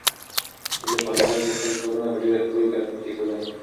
هیلې په المارۍ کې خپل کتابونه په ډېر ښکلي ترتیب کېښودل.